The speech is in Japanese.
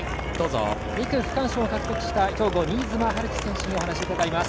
２区区間賞を獲得した兵庫、新妻遼己選手にお話を伺います。